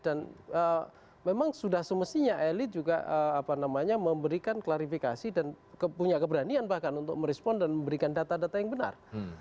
dan memang sudah semestinya elit juga memberikan klarifikasi dan punya keberanian bahkan untuk merespon dan memberikan data data yang benar